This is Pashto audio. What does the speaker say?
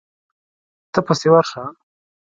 ته پسې ورشه.